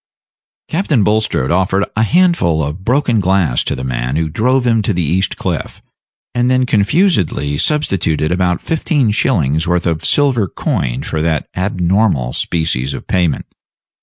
Captain Bulstrode offered a handful of broken glass to the man who drove him to the East Cliff, and then confusedly substituted about fifteen shillings worth of silver coin for that abnormal species of payment.